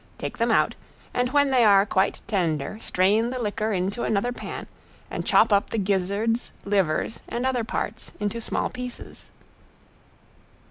Take them out, and when they are quite tender strain the liquor into another pan and chop up the gizzards, livers, and other parts into small pieces.